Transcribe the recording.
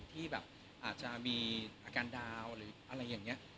ที่แบบอาจจะมีอาการดาวหรืออะไรอย่างนี้